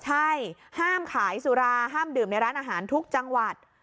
ใช่ห้ามขายสุราห้ามดื่มในร้านอาหารทุกจังหวัด